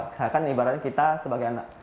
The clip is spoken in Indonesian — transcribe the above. seakan akan ibaratnya kita sebagai anak